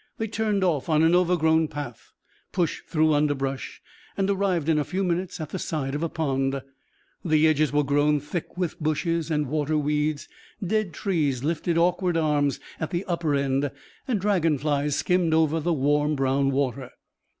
They turned off on an overgrown path, pushed through underbrush, and arrived in a few minutes at the side of a pond. The edges were grown thick with bushes and water weeds, dead trees lifted awkward arms at the upper end, and dragon flies skimmed over the warm brown water.